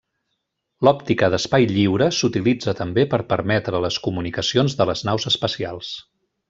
L'òptica d'espai lliure s'utilitza també per permetre les comunicacions de les naus espacials.